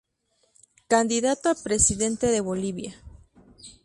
Candidato a Presidente de Bolivia.